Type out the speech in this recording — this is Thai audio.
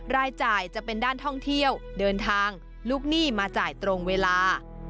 รายจ่ายจะเป็นด้านท่องเที่ยวเดินทางลูกหนี้มาจ่ายตรงเวลา